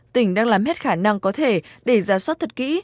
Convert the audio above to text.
tỉnh đang làm hết khả năng có thể để ra soát thật kỹ